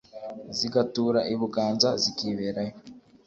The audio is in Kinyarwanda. Zigatura i Buganza zikiberayo